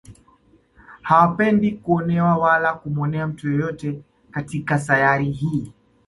Hawapendi kuonewa wala kumuonea mtu yeyote katika sayari hii